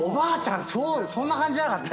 そんな感じじゃなかった？